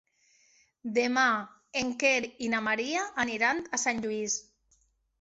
Demà en Quer i na Maria aniran a Sant Lluís.